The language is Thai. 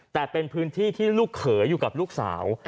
แต่เป็นพื้นที่ที่ลูกเขยอยู่กับลูกสาว